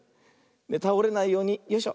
たおれないようによいしょ。